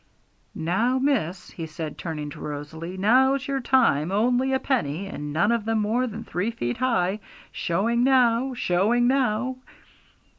'Now, miss,' he said, turning to Rosalie, 'now's your time; only a penny, and none of them more than three feet high! Showing now! Showing now!'